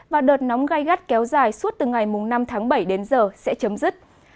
và đợt nóng gai gắt kéo dài suốt từ ngày năm tháng bảy đến giờ sẽ chấm dứt